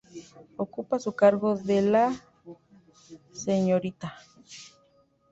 Ocupa su cargo la Srta.